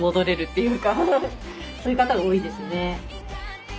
そういう方が多いですね。